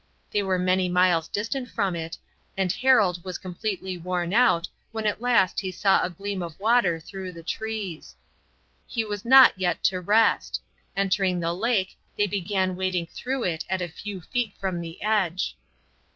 They were many miles distant from it, and Harold was completely worn out when at last he saw a gleam of water through the trees. He was not yet to rest. Entering the lake, they began wading through it at a few feet from the edge.